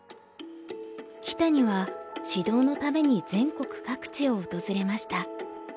木谷は指導のために全国各地を訪れました。